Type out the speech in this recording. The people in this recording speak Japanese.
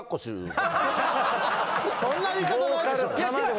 そんな言い方ないでしょ！